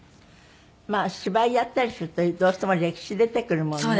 まあ芝居やったりするとどうしても歴史出てくるもんね。